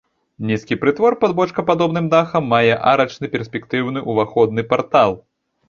Нізкі прытвор пад бочкападобным дахам мае арачны перспектыўны ўваходны партал.